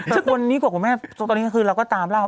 จะอยู่นี่กรุณแม่ตอนนี้คือเราก็ตามเรา